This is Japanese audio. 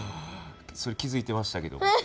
それ気付いてましたけど。